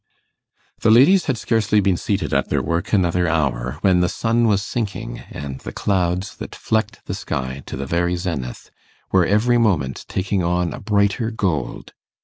The ladies had scarcely been seated at their work another hour, when the sun was sinking, and the clouds that flecked the sky to the very zenith were every moment taking on a brighter gold.